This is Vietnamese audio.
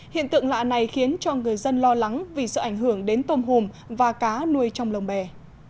hiện tượng lạ này khiến cho người dân lo lắng vì sự ảnh hưởng đến tôm hùm và cá nuôi trong lồng bè